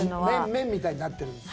麺みたいになってるんです。